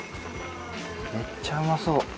めっちゃうまそう！